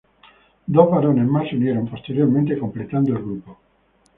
Dos varones más se unieron posteriormente, completando el grupo.